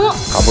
gue gak mau